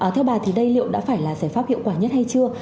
theo bà thì đây liệu đã phải là giải pháp hiệu quả nhất hay chưa